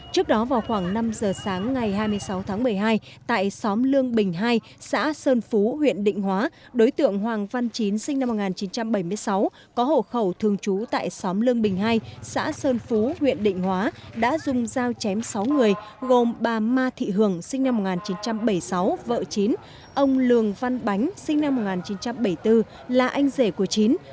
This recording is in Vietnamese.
trước đó vào khoảng năm giờ sáng ngày hai mươi sáu tháng một mươi hai tại xóm lương bình hai xã sơn phú huyện định hóa đối tượng hoàng văn chín sinh năm một nghìn chín trăm bảy mươi sáu có hộ khẩu thường trú tại xóm lương bình hai xã sơn phú huyện định hóa đã dùng dao chém sáu người gồm bà ma thị hường sinh năm một nghìn chín trăm bảy mươi sáu vợ chín